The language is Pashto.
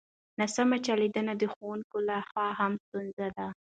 ناسم چلند د ښوونکو له خوا هم ستونزه ده.